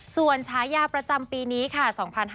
ส่วนฉายาประจำปีนี้ค่ะ